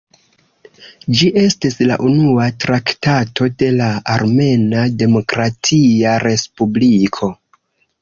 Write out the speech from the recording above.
Ĝi estis la unua traktato de la Armena Demokratia Respubliko.